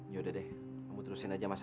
ya udah deh kamu terusin aja mas